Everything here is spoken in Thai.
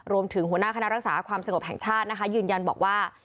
รวมถึงหัวหน้าคณะรักษาความสงบแห่งชาติยืนยันบอกว่า